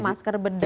yang masker bedah